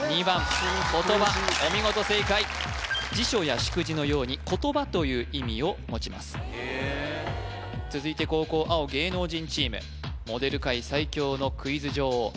２番ことばお見事正解辞書や祝辞のようにことばという意味を持ちますへえ続いて後攻青芸能人チームモデル界最強のクイズ女王